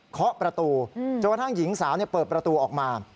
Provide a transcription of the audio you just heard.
เคาะประตูจนกระทั่งหญิงสาวเปิดประตูออกมา